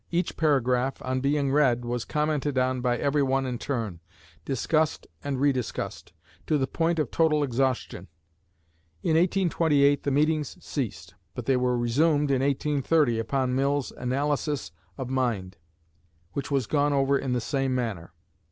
Each paragraph, on being read, was commented on by every one in turn, discussed and rediscussed, to the point of total exhaustion. In 1828 the meetings ceased; but they were resumed in 1830, upon Mill's 'Analysis of the Mind,' which was gone over in the same manner."